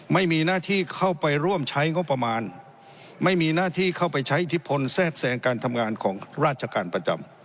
ไม่มีหน้าที่เข้าไปร่วมใช้งบประมาณไม่มีหน้าที่เข้าไปใช้อิทธิพลแทรกแทรงการทำงานของราชการประจำ